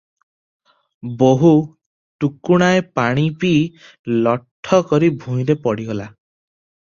ବୋହୂ ଟୁକୁଣାଏ ପାଣି ପିଇ ଲଠକରି ଭୂଇଁରେ ପଡ଼ିଗଲା ।